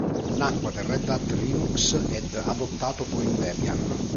Nacque per Red Hat Linux ed adottato poi in Debian.